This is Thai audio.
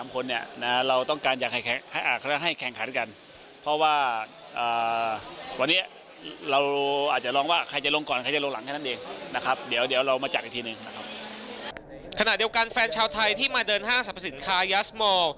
ขณะเดียวกันแฟนชาวไทยที่มาเดินห้างสรรพสินค้ายาสโม